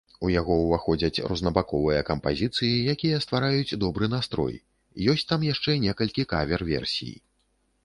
У яго ўваходзяць рознабаковыя кампазіцыі, якія ствараюць добры настрой, ёсць там яшчэ некалькі кавер-версій.